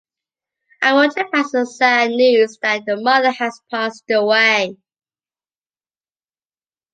I want to pass a sad news that your mother has passed away.